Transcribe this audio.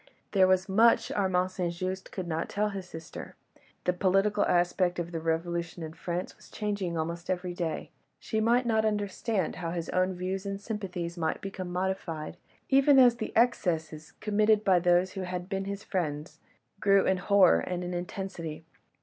There was much Armand St. Just could not tell his sister; the political aspect of the revolution in France was changing almost every day; she might not understand how his own views and sympathies might become modified, even as the excesses, committed by those who had been his friends, grew in horror and in intensity.